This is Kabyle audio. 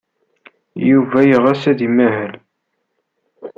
Yuba yeɣs ad imahel.